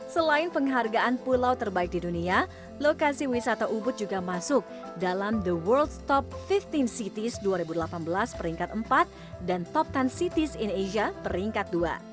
selain penghargaan pulau terbaik di dunia lokasi wisata ubud juga masuk dalam the world top lima belas cities dua ribu delapan belas peringkat empat dan top sepuluh cities in asia peringkat dua